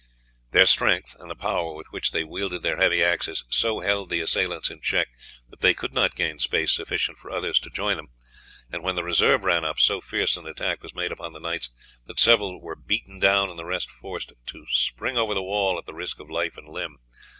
Their strength, and the power with which they wielded their heavy axes, so held the assailants in check that they could not gain space sufficient for others to join them, and when the reserve ran up, so fierce an attack was made upon the knights that several were beaten down and the rest forced to spring over the wall at the risk of life and limb.